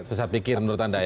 susah pikir menurut anda ya